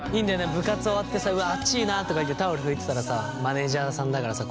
部活終わってさうわあっちいなとか言ってタオルで拭いてたらさマネージャーさんだからさ